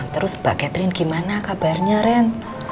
terus pak catherine gimana kabarnya ren